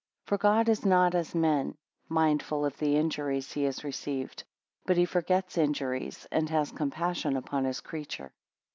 3 For God is not as men, mindful of the injuries he has received; but he forgets injuries, and has compassion upon his creature.